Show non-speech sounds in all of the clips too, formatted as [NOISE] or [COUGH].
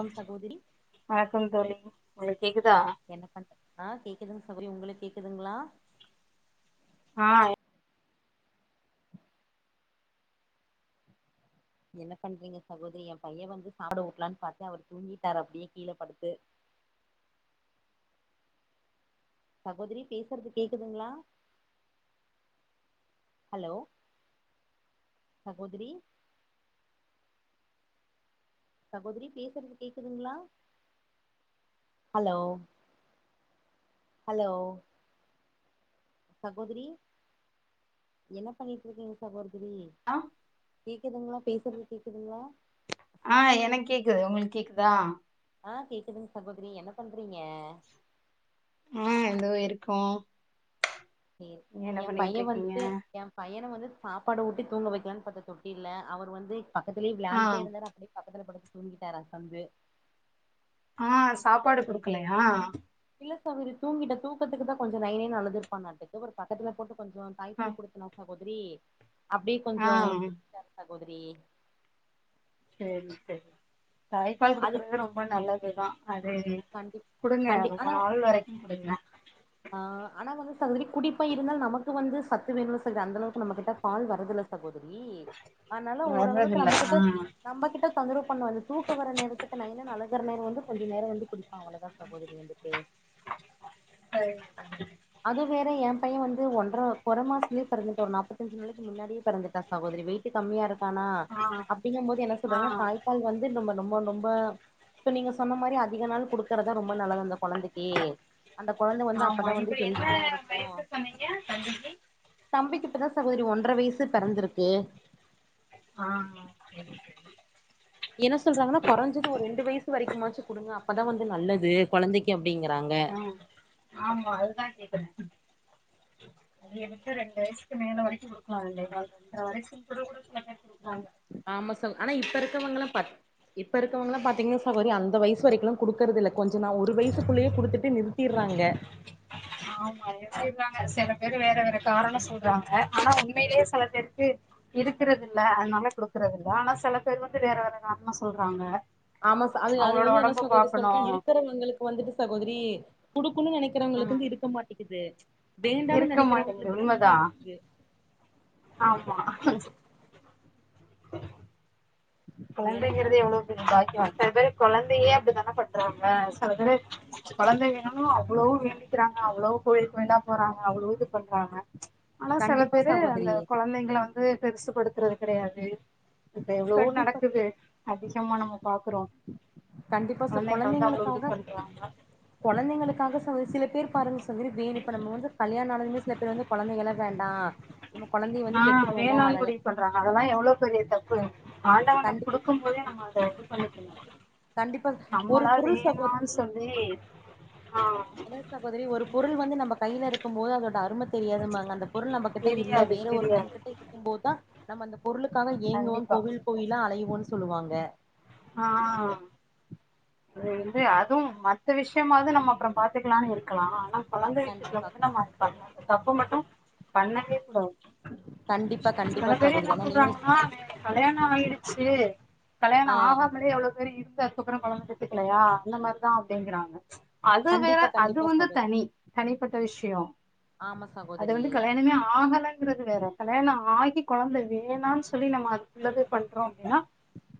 ஆம் சகோதரி வணக்கம் தோழி உங்களுக்கு கேக்குதா என்ன பண்றீங் ஆ கேக்குதுங்க சகோதரி உங்களுக் கேக்குதுங்ளா ஆ என்ன பண்றீங்க சகோதரி ஏ பையே வந்து சாப்பாடு ஊட்டலான்னு பாத்தே அவர் தூங்கிட்டா அப்டியே கீழே படுத்து சகோதரி பேசுறது கேக்குதுங்ளா ஹலோ சகோதரி சகோதரி பேசுறது கேக்குதுங்களா ஹலோ ஹலோ சகோதரி என்ன பண்ணீட்டு இருக்கீங்க சகோதரி கேக்குதுங்களா பேசுறது கேக்குதுகளா ஆ எனக்கு கேக்குது உங்களுக் கேக்குதா ஆ கேக்குதுங்க சகோதரி என்ன பண்றீங்க ஆ எதோ இருக்கோ சேரி நீங்க என்ன ஏ பையே பண்ணிட்டு இருக்கீங்க வந்துட்டு ஏ பையன வந்து சாப்பாடு ஊட்டி தூங்க வைக்கலான்னு பாத்தா தொட்டில்ல அவர் வந்து பக்கத்துலே ஆ விளான்ட்டே இருந்தாரு அப்டியே பக்கத்துல படுத்து தூங்கிட்டாரு அசந்து ஆ சாப்பாடு குடுக்கலயா இல்ல சகோதரி தூங்கிட்டா தூக்கத்துக்கு தா கொஞ்சோ நய நயனு அழுதுருப்பான்நாட்டுக்கு ஒரு பக்கத்துல போட்டு கொஞ்சோ தாய்ப்பால் குடுத்தனா சகோதரி அப்டியே ஆ கொஞ்சோ டாரு சகோதரி சேரி சேரி தாய்பால் அதுக்கு குடுக்குறது ரொம்ப நல்லதுதா அது கண்டி குடுங்க கண்டி ரொம்ப ஆனா நாள் வரைக்கு குடுங்க ஆ ஆனா வந்து சகோதரி குடிப்பா இருந்தாலு நமக்கு வந்து சத்து வேணு சரி அந்த அளவுக்கு நம்ம கிட்ட பால் வர்ரதுல்ல சகோதரி அதனால ஓரளவுக்கு வர்றதில்ல நம்ம கிட்ட நம்ம கிட்ட தொந்தரவு பண்ணாது அது தூக்கோ வர நேரத்துக்கு நய நயனு அழுகுற நேரம் வந்து கொஞ்சோ நேரோ வந்து குடிப்பான் அவ்வளோதா சகோதரி வந்துட்டு ஆ அது வேற ஏ பையே வந்து ஓன்ற கொற மாசத்திலேயே பொறந்துட்டா ஒரு நாப்பதஞ்சு நாளைக்கு முன்னாடியே பொறந்துட்டா சகோதரி வெயிட் கம்மியா இருக்கானா ஆ அப்படிங்கும் போது என்ன ஆ சொல்றாங்கன்னா தாய் மக்கள் வந்து நம்ம நொம்ப நொம்ப இப்ப நீங்க சொன்ன மாரி அதிக நாள் குடுக்குறதா ரொம்ப நல்லது அந்த கொழந்தைக்கி அந்த கொழந்தை வந்து ஆமா அப்பதா வந்து இப்ப என்ன ஹெல்த்தியா இருக்கு வயசு சொன்னீங்க தம்பிக்கு தம்பிக்கு இப்பதா சகோதரி ஒன்றர வயசு பெறந்திருக்கு ஆ செரி என்ன சொல்றாங்கனா கொறஞ்சது ஒரு ரெண்டு வயசு வரைக்குமாச்சு குடுங்க அப்பதா வந்து நல்லது கொழந்தைக்கு அப்டிங்கறாங்க ஆ ஆமா அதுதா கேக்குறே அதிகபச்ச ரெண்டு வயசுக்கு மேல வரைக்கு பகுடுக்கலா ரெண்டே கால் ரென்ற வயசுல கூட குடுக்றவங்க குடுக்குறாங்க ஆமா சகோ ஆனா இப்ப இருக்கவங்க எல்லா பா இப்ப இருக்கவங்கலா பாத்தீங்கனனா சகோதரி அந்த வயசு வரைக்கு குடுக்குதில்ல கொஞ்ச நா ஒரு வயசுக்குல்லயே குடுத்துட்டு நிறுத்திறாங்க ஆமா இப்டின்றாங்க சில பேரு வேற வேற காரண சொல்றாங்க ஆனா உண்மையிலே செல பேருக்கு இருக்கறதுல்ல அதனால குடுக்குறதுல்ல ஆனா செல பேரு வந்து வேற வேற காரணொ சொல்றாங்க ஆமா அது அது அவங்களோட வந்து என்ன ஒடம்ப சகோதரி பாக்கணு சொல்ற இருக்றவங்களுக்கு வந்துட்டு சகோதரி குடுக்குனு நெனைக்க கிறவங்ளுக்கு ம் வந்து இருக்க மாட்டேக்குது வேண்டானு இருக்க மாட்டேங்குது நெனைக்கிறவங்ளுக்கு வந்து உண்மதா இருக்குது ஆமா [INAUDIBLE] வேலையெல்லா கொழந்தைங்றது எவ்வளவு பெரிய பாக்கியோ செல பேரு கொழந்தயே அப்டித்தான பன்றாங்க செல பேரு கொழந்த வேனூனு அவ்ளோ வேண்டிக்கிறாங்க அவ்ளோ கோயிலு கோயிலா போறாங்க அவ்ளோ இது பண்றாங்க ஆனா செல கண்டிப்பா பேரு அந்த சகோதரி கொழந்தங்கள வந்து பெருசு படுத்துறது கெடையாது இப்ப எவ்வளோ கண்டிப்பா நடக்குது அதிகமா நம்ம பாக்குறோ கண்டிப்பா கொழந்தைகள் தா அவ்ளோ இது பண்றாங்க கொழந்தைளுக்காக சகோதரி சில பேர் பாருங்க சகோதரி வேன் இப்ப நம்ம வந்து கல்யாண ஆனதுமே சில பேரு வந்து கொழந்தைகளே வேண்டா நம்ம கொழந்தைய ஆ வந்து பெத்துக்க வேண்டா ஆனாங்க வேணாங்குடி சொல்றாங்க அதலா எவ்ளொ பெரிய தப்பு ஆண்டவ நம்ம கண்டி குடுக் க்கும்போதே நம்ம அத இது பண்ணிக்கனு கண்டிப்பா ஒரு நம்மளா பொருள் வேணானு சகோதரி சொல்லி ஆ அதா சகோதரி ஒரு பொருள் வந்து நம்ம கைல இருக்கும் போது அதோட அருமத் தெரியாதும்பாங்க அந்த பொருள் நம்ம கிட்ட இல்ல தெரியாது வேற ஒருத்தங்க தெரியாது கிட்ட இருக்குபோதா நம்ம அந்த பொருளுக்காக ஏங்குவோ கண்டிப்பா கோவில் கோயிலா அலைய்வோன்னு சொல்லுவாங்க ஆ இது வந்து அதுவு மத்த விஷயமாவது நம்ம அப்பறொ பாத் க்கலானு இருக்லா ஆனா கொழந்தை விஷயத்துல கண்டிப்பா வந்து நம்லா தப்பு மட்டு பண்ணவே கூடாது கண்டிப்பா செல கண்டிப்பா பேரு சகோதரி என்னா ஆனா நீங்க சொல்றாங்ன்னா கல்யாண ஆயிடுச்சு கல்யாண ஆ ஆகாமலயே எவ்ளோ பேரு இருந்து அதுக்கப்பறோ கொழந்து பெத் துக்கலயா அந்த மாரிதா அப்டிங்றாங்க அது வேற கண்டிப்பா அது கண்டிப்பா வந்து சகோதரி தனி தனிப்பட்ட விஷயொ ஆமா சகோ அது வந்து கல்யாணமே ஆகல ங்கிறது வேற கல்யாணம் ஆகி கொழந்தை வேணானு சொல்லி நம்ம அதுக்குள்ளத பண்றோ ஏன்னா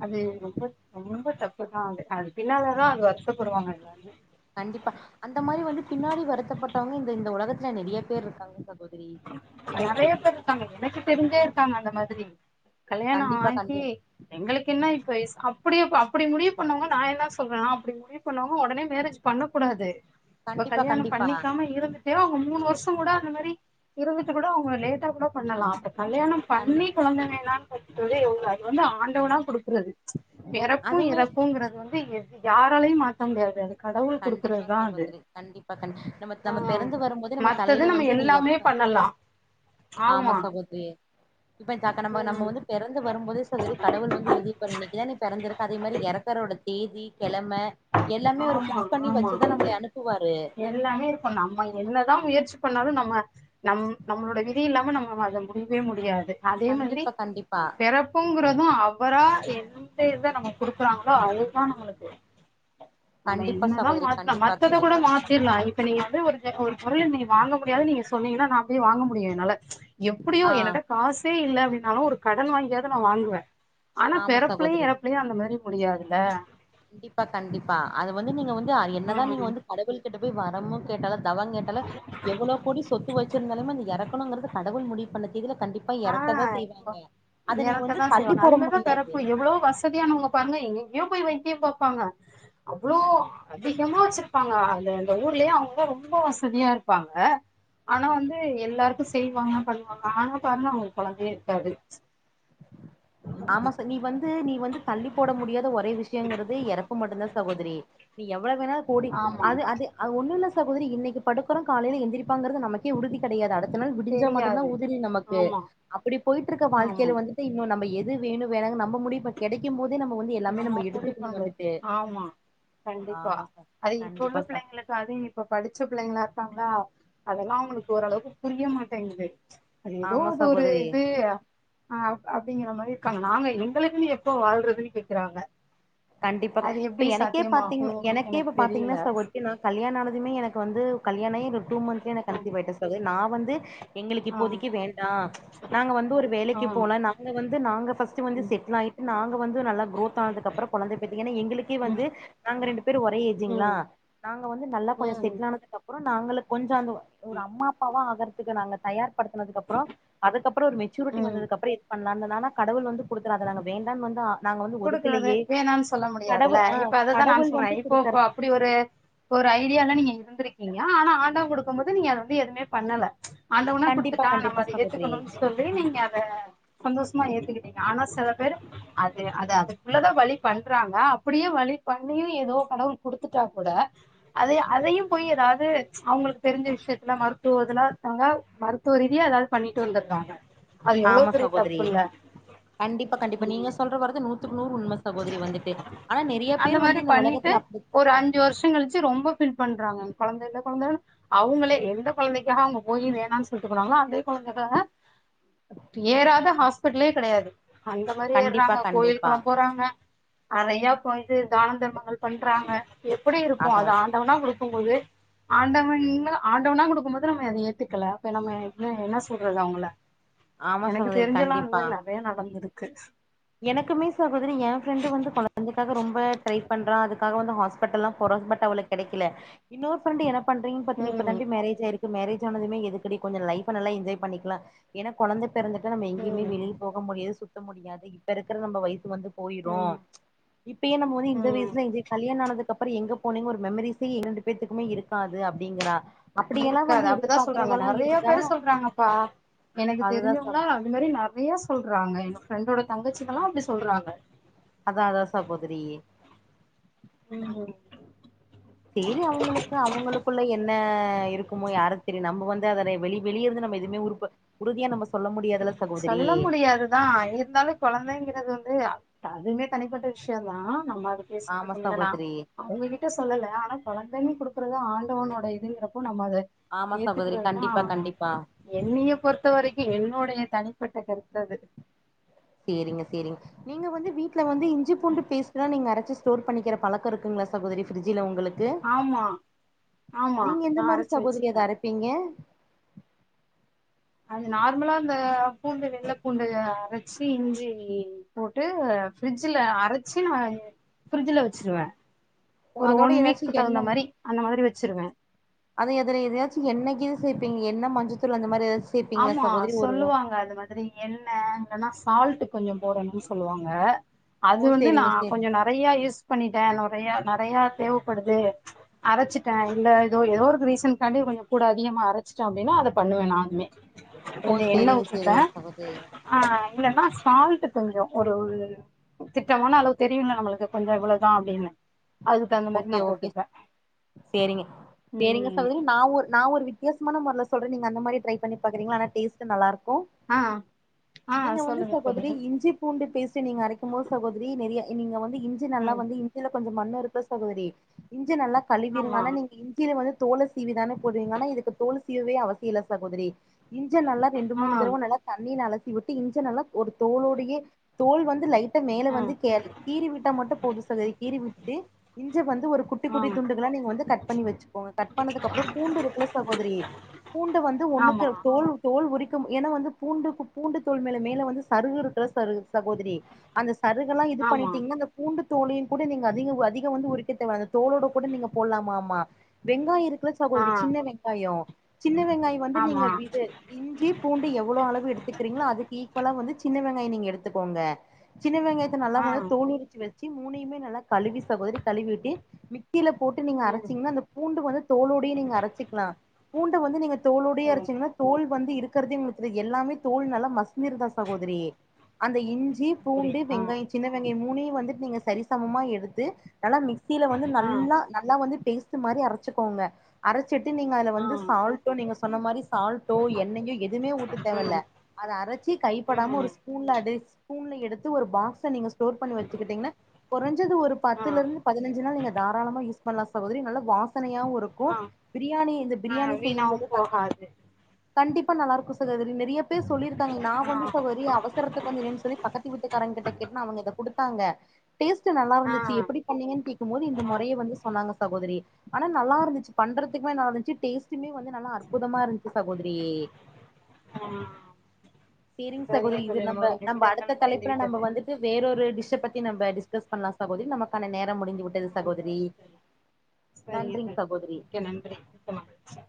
அது ரொம்ப ரொம்ப தப்புதா அது அது பின்னாடிதா அது வருத்தப்படுவாங்க [UNINTELLIGIBLE] கண்டிப்பா அந்த மாரி வந்து பின்னாடி வருத்தப்பட்டவங்க இந்த இந்த ஒலகத்துல நெறைய பேர் இருக்காங்க சகோதரி நெறைய பேரு இருக்காங்க எனக்கு தெரிஞ்சே இருக்காங்க அந்த மாதிரி கல்யாணோ கண்டிப்பா கண்டி ஆகி எங்களுக்கு என்ன இப்ப அப்டி அப்டி முடிவு பண்ணவங்க நா என்னா சொல்ற நா அப்டி முடி பண்ணவங்க ஒடனே மேரேஜ் பண்ணக்கூடாது இப்ப கண்டிப்பா கல்யாணோ கண்டிப்பா பண்ணிக்காம இருந்துட் ட்டு அவுங்க மூணு வருஷோ கூட அந்த மாரி இருந்துட்டு கூட அவுங்க லேட்டா கூட பண்ணலா அப்ப கல்யாணம் கண்டி பண்ணி கொழந்தை வேணானு [UNINTELLIGIBLE] அது வந்து ஆண்டவனா குடுக்குறது பெறப்பு அதுமே எறப்புங்கறத வந்து எது யாராலயு மாத்த முடியாது அது கடவுள் கண்டிப்பா குடுக்கறதுதா அது சகோதரி கண்டிப்பா கண் நம்ம ஆ நம்ம பெறந்து வர போது நம்ம மத்தது தலைல நம்ம வந்து நீ எல்லாமே எப்ப பண்ணலா ஆமா சகோதரி இப்பொ இந்தாக்க நம்ம நம்ம ம் வந்து பெறந்து வரும்போதே சகோதரி கடவுள் வந்து எழுதிப்பாரு இன்னைக்குதா நீ பெறந்திக்க அதே மாதிரி எறக்கறோட தேதி கெழமை எல்லாமே ஒரு ஆமா பிக்ஸ் ஆமா எல்லாமே இருக்கு நம்ம என்னதா முயற்சி பண்ணாலு நம்ம நம் நம்மளோட விதி இல்லாம நம்ம அத முடிவே முடியாது அதே மாதிரி கண்டிப்பா கண்டிப்பா பெறப் புங்கறது அவராக எந்த இத நமக் குடுக்குறங்களோ அது த்லா நம்மளுக்கு நம்ம கண்டிப்பா என்னதா சகோதரி மாத்லா கண்டிப்பா மத்த கூட கண்டிப்பா மாத்தலா சேர்லா இப்ப நீங்க வந்து ஒரு ஒரு பொருள நீ வாங்க முடியாது சொன்னீங்கனா நா போயி வாங்க முடியு என்னால எப்புடியோ ஆ என்னட காசே இல்ல அப்டினாலு ஒரு கடன் வாங்கியது நா வாங்குவே ஆனா ஆமா பெறப்புலையு சகோதரி எறப்புலையு அந்த மாரி முடியாதுல்ல கண்டிப்பா கண்டிப்பா அது வந்து நீங்க வந்து என்னதா நீங்க வந்து கடவுள் கிட்ட போய் வரமு கேட்டாலு தவொ கேட்டாலு எவ்வளோ கோடி சொத்து வச்சிருந்தாலுமே இந்ல எறக்கணுங்கறது கடவுள் முடிவு பண்ண தேதில கண்டிப்பா ஆ எறக்குதா செய்வாங்க அதனீ வந்து தள்ளி போட முடியாது எவ்ளோ வஸ் ஸதியானவங்க பாருங்க எங்கியோ போய் வைத்தியம் பாப்பாங்க அவ்ளோ அதிகமா வெச்சிருப்பாங்க அத அந்த ஊர்லயே அவங்க ரொம்ப வசதியா இருப்பாங்க ஆனா வந்து எல்லாருக்கு செய்வாங்க பண்ணுவாங்க ஆனா பாருங்க அவங்களுக்கு கொழந்தயே இருக்காது ஆமா ச நீ வந்து நீ வந்து தள்ளி போட முடியாத ஒரே விஷயங்கறது இறப்பு மட்டுந்தா சகோதரி நீ எவ்வளோ வேணாலு கோடி ஆமா அது அது அது ஒண்ணு இல்ல சகோதரி இன்னைக்கு படுக்கறோ காலையில எந்திரிப்பாங்றது நமக் கே உறுதி கெடையாது அடுத்த நாள் விடிஞ்சா மட்டுந் தா தெரியாது உதிறி நமக்கு ஆமா அப்படி போயிட்டு இருக்க ஆமா வாழ்க்கையில வந்து இன்னு நம்ம எது வேணு வேணாங்கனு நம்ம முடியு பண் கெடைக்கும் போது நம்ம வந்து எல்லாமே ஆமா நம்ம எடுத்துக்கணு புளிக்கொழம்பு வந்துட்டு ஆமா கண்டிப்பா ஆமா சார் அது இப்வுள்ள கண்டிப்பா சார் பிள்ளைங்களுக் கதே இப்ப படிச்ச பிள்ளைங்களா இருக்காங்களா அதெல்லா அவங்களுக்கு ஓரளவுக்கு புரிய மாட்டேங்கிது அது ஏதோ ஆமா அது ஒரு சகோதரி இது அ அப்டிங்கிற மாரி இருக்காங்க நாங்க எங்களுக்குன்னு எப்ப வாழ்றதுன்னு கேக்குறாங்க கண்டிப்பாக அது இப்ப எப்டி எனக்கே சாத்தியமாகு பாத்தீங்கனா அப்டின்னு எனக்கே எனக்கு இப்ப பாத்தீங்கன்னா தெரியல சகோத ரி நா கல்யாணோ ஆனதுமே எனக்கு வந்து கல்யாண ஆயே ஒரு டூ மந்த்லயே கன்சிவ் ஆயிட்டே சகோதரி நா வந்து எங்களுக்கு ஆ இப்பபோதிக்கு வேண்டா நாங்க வந்து ஒரு ஆ வேலைக்கு போன நாங்க வந்து நாங்க ஃபர்ஸ்ட்டு வந்து ம் செட்டில் ஆகிட்டு நாங்க வந்து நல்லா குரோத் ஆனதுக்கு அப் புறோ கொழந்த பெத்துக்க எங்குளுக்கே ம் வந்து நாங்க ரெண்டு பேர் ஒரே ஏஜ்ஜிங்ளா ம் நாங்க வந்து நல்லா கொஞ்ச ம் செட்டில் ஆனதுக்கு அப் புறோ நாங்களு கொஞ்ச அந்த ஒரு ம் அம்மா அப்பாவா ஆகறதுக்கு நாங்க தயார் செய் படுத்துனதுக்கு அப்புறோ அதுக்கு அப்பறோ ஒரு மெச்சூரிட்டி ம் வந்ததுக்கு அப்பறோ ஏது பண்லான்னுந்தாங்கோ ஆனா கடவுள் வந்து குடுத்தாரு அத நாங்க வேண்டான்னு வந்து ஆ நாங்க வந்து குடுக்கறது ஒதுக்கலையே வேணானு சொல்ல முடியாதுல்ல கடவுள் ஆ இப்ப அததா நான் கடவுள் சொல்றே வந்து இப்போ இப்ப குடுக்கறது அப்படி ஒரு ஒரு ஐடியாலா நீங்க இருந்திருக்கீங்க ஆனா ஆண்டவன் குடுக்கும் போது நீங்க வந்து அத எதுவுமே பண்ணல ஆண்டவனா கண்டிப்பா குடுத்துட்டா கண்டிப்பா நம்ம அத சகோதரி ஏத்துக்கனுன் சொல்லி நீங்க அத சந்தோஸமா ஏத்துக்கிட்டிங்க ஆனா சில பேரு அ து அது அதுக்குள்ளதா வழி பண்றாங்க அப்பிடியே வழி பண்ணியு எதோ கடவுள் குடுத்துட்டா கூட அதே அதையும் போய் எதாவ்து அவுங்களுக் தெருஞ்ச விஷ்யத்துல மருத்துவ இதுல இருக்காங்க மரு த்துவ ரீதியா எதாது பண்ணிட்டு வந்துர்றாங்க ஆமா சகோதரி கண்டிப்பா கண்டிப்பா நீங்க சொல்ற வரது நூ த்துக்கு நூறு உண்ம சகோதரி வந்துட்டு ஆனா நெறிய அந்த பேர் வந்து மாரி இந்த பண்ணிட்டு உலகத்துல வந்து அப்டி ஒரு அஞ்சு வருஷங் கழிச்சு ரொம்ப ஃபீல் பண்றாங்க கொழந்தயில்ல கொழந்தயில்ல அவுங்களே எந்த கொழந்தைக்காக அவுங்க போயி வேணான் சொல்ட்டு போனாங்ளோ அதே கொழந்தக்காக ஏறாத ஹாஸ்பிட்டலே கெடையாது அந்த மாரி கண்டிப்பா ஏர்றாங்க கண்டிப்பா போறாங்க நெறையா போய்ட்டு தானந் தர்மங்கள் பண்றாங்க எப்புடி இருக்கு அதா அது ஆண் டவனா குடுக்கும் போது ஆண்டவன்னு ஆண்டவனா குடுக்கும் போது நம்ம அத ஏத்துக்கல இப்ப நம்ம என்ன என்ன சொல்றது அவுங்கள ஆமா எனக்கு சகோதரி தெருஞ்சலா இந்த மாரி நறய நடந்துருக்கு எனக்கு சகோதரி எ ஃப்ரெண்டு வந்து கொழந்தைக்காக ரொம்ப ட்ரை பண்றா அது க்காக வந்து ஹாஸ்பட்டல்லா போறா பட் அவளுக்கு கெடைக்கல இன்னொரு ஃப்ரென்டு என்ன பன்றிங்கன் பாத்தனா ம் இப்பதான் டி மேரேஜே ஆயிரு ககு மேரேஜ் ஆனதுமே எதுக்குடி கொஞ்சொ லைஃப நல்லா என்ஜாய் பண்ணிக்லா ஏனா கொழந்த பெறந்துட்டா நம்ம எங்யுமே ம் வெளில போக முடியாது சுத்த முடியாது இப்ப இருக்குற நம்ப வயசு வந்து போயிரு ம் இப்பயே நம்ம வந்து இந்த ம் வயசுல என்ஜாய் கல்யாண ஆனதுக்கப்புற எங்க போனிங் ஒரு மெமரீஸே இரண்டு பேத்துக்குமே இருக்காது அப்டிங்கிறா அப்படியெல்லா இருக்காது வந்து அப்டிதா சொல்றாங்க எதிர்பார்க்கறவளா இருந்தா நெறயா‌பேரு சொல்றாங்கப்பா எனக்கு அதுதா ச தெருஞ்சவுங்ளா இது மாரி நெறயா சொல்றாங்க எங்க ஃப்ரெண்டோட தங்கச்சிகல்லா அப்டி சொல்றாங்க அதா அதா சகோதரி ம் சேரி அவுங்களுக்கு அவுங்களுக்குள்ள என்ன இருக்குமோ யாருக் தெரியு‌ நம்ம வந்து அதன வெளி வெளியருந்து நம்ம எதுமே உறுப்ப உறுதியா நம்ம சொல்ல முடியாதுல சகோதரி சொல்ல முடியாதுதா இருந்தாலு கொழந்தைங்கிறது வந்து அதுமே தனிப்பட்ட விஷ்யொந்தா நம்ம அத பேசிக்க ஆமா சகோதரி [UNINTELLIGIBLE] அவுங்ககிட்ட சொல்லல ஆனா கொழந்தன் குடுக்குறது ஆண்டவனோட இதுங்கிறப்ப நம்ம அத ஆமா சகோதரி ஏத்துக்குறதுதா கண்டிப்பா கண்டிப்பா என்னிய பொறுத்த வரைக்கு என்னோடைய தனிப்பட்ட கருத்தது சேரிங்க சேரிங்க நீங்க வந்து வீட்ல வந்து இஞ்சி பூண்டு பேஸ்ட்லா நீங்க அரச்சு ஸ்டோர் பண்ணிக்கிற பழக்க இருக்குங்ளா சகோதரி ஃப்ரிட்ஜில உங்களுக் கு ஆமா ஆமா நீங்க எந்த நா மாரி அரச்சு சகோதரி அத வச்சுப்பே அரப்பீங்க? அது நார்மலா இந்த பூண்டு வெள்ள பூண்டு அரச்சு இஞ்சி போட்டு ஃப்ரிட்ஜில அரச்சு ஃப்ரிட்ஜில வச்சிருவே ஒரு அதோட ஒன் ஏதாச்சு வீக்கு தகுந்த மாரி அந்த மாதிரி வச்சிருவே அது எதுல எதயாச்சு எண்ண கிது சேப்பிங்க எண்ட மஞ்சத்தூள் அந்த மாரி எதாச்சு ஆமா சொல்லுவாங்க அது வந் து எண்ண இல்லனா சால்ட்டு கொஞ்சொ போடனு சொல்லுவாங்க அது ஓ வந்து நா சேரிங்க சேரி கொஞ்சொ ந றையா யூஸ் பண்ணிட்டே நொறயா நறையா தேவப்படுது அரச்சுட்டே இல்ல எதோ எதோ ஒருக்கு ரீசன்காண்டி கொஞ்சொ கூட அதிகமா அரச்சுட்டே அப்டினா அத பண்ணுவே நானுமே ஓ கொஞ்சொ எண்ண சேரிங்க உட்டுட்டே சேரிங்க சகோதரி ஆ இல்லன்னா சால்ட்டு கொஞ்சொ ஒரு ஒரு திட்டமான அளவு தெரியுல்ல நம்மளுக்கு கொஞ்சொ இவ்வளதா அப்டின்னு அதுக்கு தகுந்த மாரி ஓகே நா ஓகே போட்டுப்பே சேரிங்க சேரிங்க ம் சகோதரி நா ஒரு நா ஒரு வித்தியாசமான மொறைல சொல்றே நீங்க அந்த மாரி ட்ரை பண்ணி பாக்குறீங்ளா ஆனா டேஸ்ட் நல்லாருக்கு ஆ ஆ நீங்க வந்து சொல்லுங்க தோழி சகோதரி இஞ்சி பூண்டு பேஸ்ட்டு நீங்க அரைக்கும் போது சகோதரி நெறைய நீங்க வந்து இஞ்சி நல்லா ம் வந்து கொஞ்ச மண்ணி ருக்கு சகோதரி இஞ்ச நல்லா கழுவிருங்க ஆமா ஆனா நீங்க இஞ்சியில வந்து தோல சீவிதானே போடுவீங்க ஆனா இதுக்கு தோலு சீவவே அவசிய ல்ல சகோதரி இஞ்ச நல்லா ரெண்டு ஆ மூணு தடவ நல்ல தண்ணில அலசி வுட்டு இஞ்ச நல்லா ஒரு தோலோடையே தோல் வந்து லைட் மேல ஆ வந்து கே கீறி விட்டா மட்டு போது சகோத்ரி கீறி விட்டு இஞ்ச வந்து ஒரு குட்டி ஆ குட்டி துண்டுகளா நீங்க வந்து கட் பண்ணி வச்சுகோங்க கட் பண்ணதுக்கப்றோ பூண்டு ருக்கில்ல சகோதரி பூண்ட வந்து ஒண்ணுக்கு ஆமா தோல் தோல் உரிக்கு ஏனா வந்து பூண்டுக்கு பூண்டு தோல் மேல மேல வந்து சருகிருக்கில்ல ச சகோதிரி அந்த சறுகள்லா இது ஆமா பண்ணிட்டீங்னா அந்த பூண்டு தோலி கூட நீங்க அதிக அதிகோ வந்து உரிக்க தேவ அந்த தோலோட கூட நீங்க போட்லாமாமா வெங்காய இருக்குல ஆ சகோதரி சின்ன வெங்காயோ சின்ன வெங்காயொ வந்து நீங்க ஆமா இது இஞ்சி பூண்டு எவ்ளோ அளவு எடுத்துகிறீங்ளோ அதுக்கு ஈக்வலா வந்து சின்ன வெங்காயொ நீங்க எடுத்துகோங்க சின்ன வெங்காயத்த நல்லா ஆ வந்து தோலுரிச்சி வச்சி மூணயுமே நல்லா கழிவி சகோதரி கழிவிட்டு மிக்சில போட்டு நீங்க ம் அரச்சீங்னா அந்த பூண்டு வந்து தோலோடயெ நீங்க அரச்சிக்லா பூண்ட வந்து நீங்க ஓ தோலோடையே அரச்சிங்னா தோல் வந்து இருக் றதே உங்ளுக் தெரியாத் எல்லாமே தோல் நல்லா மசிஞ்ஜிருதா சகோதரி அந்த இஞ்சி அப்படியா பூண்டு ஆ வெங்காயொ சின்ன வெங்காயொ மூணையு வந்துட் நீங்க சரி சமமா எடுத்து நல்லா மிக் மிக்சில வந்து ஆ நல்லா நல்லா வந்து பேஸ்ட் மாரி அரசிக்கோங்க அரச்சிட்டு நீங்க அதுல வந்து சால்டோ நீங்க சொன்ன மாரி சால்ட்டோ எண்ணையோ எதுமே ஊத்த தேவல்ல ம் அத அரச்சி கைபடாம ஒரு ம் ஸ்பூன்ல ஸ்பூன்ல எடுத்து ஒரு பாக்ஸ்ல நீங்க ஸ்டோர் பண்ணி வச்சிகிட்டீங்னா கொறஞ்சது ஒரு ஆ பத்துலர்ந்து பதினஞ்சி நாள் நீங்க தாராளம யூஸ் பண்ல சகோதரி நல்ல வாசனயாவு இருக் க்கு ஆ பிரியாணி இந்த ஆ பிரியாணி செய்யும் வீணாவு போது தக்கா போகாது கண்டிப்பா நல்லார்க்கு சகோதரி நிறைய பேர் சொல்லி இருக்காங்க நா ஆ வந்து சகோதரி அவச அவசரத்துக்கு இல்லென்னு சொல்லி பக்கத்து வீட்டுக்காரங் கிட்ட கேட்ன்னா அவங்க இத குடுத்தாங்க டேஸ்ட் நல்லா ஆ ருந்துச்சு எப்டி ஆ பண்ணீங்கன்னு கேக்கும் போது இந்த முறைய ஆ வந்து சொன்னாங்க சகோதரி ஆனா நல்லார்ந்துச்சி பண்றதுக்மே நல்லார்ந்ச்சி டேஸ்ட் ட்டுமே வந்து நல்லா அற்புதமா இருந்துச்சி சகோதரி சேரிங் சரிங்க சகோதரி இது தோழி நம்ம நம்மளோட நம்ம அடுத்த நிமிடங்கள் முடிந்து தலைப்புல நம்ம விட்டது வந்து வேற ஒரு டிஷ்ஷ பத்தி நம்ம டிஸ்கஸ் பண்ல சகோதரி நமகான நேரம் முடிந்து விட் ஆ சகோதரி சரிங்க தோழி நன்றிங் சகோதரி க்க நன்றி செமா